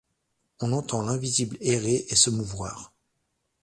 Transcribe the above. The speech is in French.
On entend l'invisible errer et se mouvoir ;